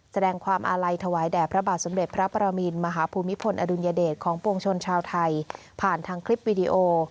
แสดงความอาลัยถวายแด่พระบาทสมเด็จพระปรมินมหาภูมิพลอดุลยเดชของปวงชนชาวไทยผ่านทางคลิปวิดีโอ